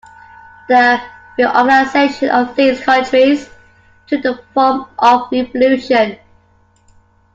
The reorganization of these countries took the form of revolution.